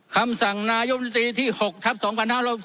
คำสั่งนายมนตรีที่๖ทับ๒๕๖๒